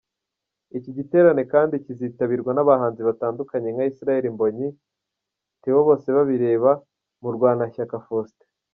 Iki giterane kandi kizitabirwa n’abahanzi batandukanye nka Israel Mbonyi, Theo Bosebabireba , Murwanashyaka Faustin.